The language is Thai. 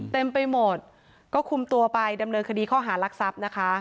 เต็มไปหมดก็คุมตัวไปดำเนินคดีข้อหารักทรัพย์นะคะ